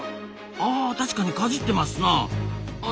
あ確かにかじってますなあ。